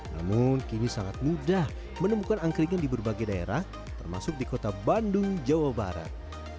namun kini sangat mudah menemukan angkringan di berbagai daerah termasuk di kota bandung jawa barat